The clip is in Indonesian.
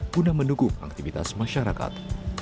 guna mendukung aktivitas masyarakat